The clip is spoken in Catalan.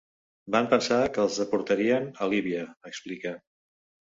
Van pensar que els deportarien a Líbia, explica.